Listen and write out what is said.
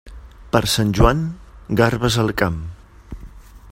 Per Sant Joan, garbes al camp.